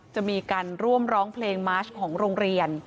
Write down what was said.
จะมีการร่วมร้องเพลงมาชของโรงเรียน